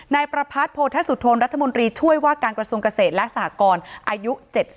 นายประพัทธโพธสุธนรัฐมนตรีช่วยว่าการกระทรวงเกษตรและสหกรอายุ๗๐